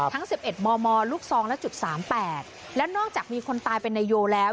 ทั้ง๑๑มมลูกซองและจุดสามแปดแล้วนอกจากมีคนตายเป็นนายโยแล้ว